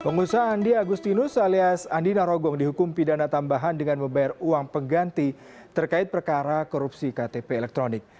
pengusaha andi agustinus alias andi narogong dihukum pidana tambahan dengan membayar uang pengganti terkait perkara korupsi ktp elektronik